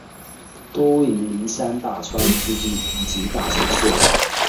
多位于名山大川附近以及大城市里。